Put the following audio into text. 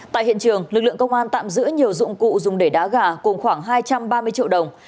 tại hiện trường lực lượng công an tạm giữ nhiều dụng cụ dùng để đá gà cùng khoảng hai trăm ba mươi triệu đồng